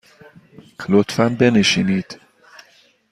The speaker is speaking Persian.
لطفاً بنشینید.